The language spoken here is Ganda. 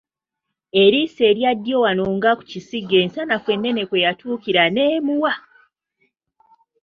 Eriiso erya ddyo wano nga ku kisige ensanafu ennene kwe yatuukira n’emuwa.